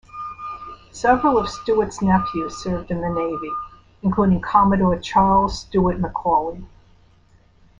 Several of Stewart's nephews served in the Navy, including Commodore Charles Stewart McCauley.